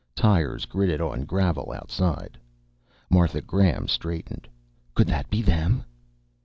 Tires gritted on gravel outside. Martha Graham straightened. "Could that be them?"